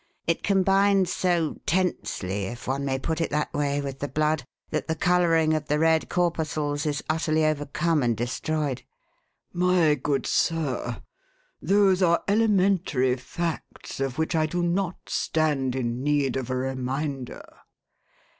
It combines so tensely, if one may put it that way, with the blood, that the colouring of the red corpuscles is utterly overcome and destroyed." "My good sir, those are elementary facts of which I do not stand in need of a reminder."